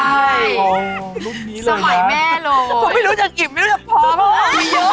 สมัยแม่เลยก็ไม่รู้จักกิฟท์ไม่รู้จักพ่อเพราะว่ามีเยอะเลยอะ